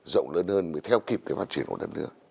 rộng lớn hơn mới theo kịp cái phát triển của đất nước